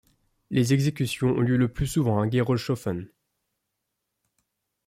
Les exécutions ont lieu le plus souvent à Gerolzhofen.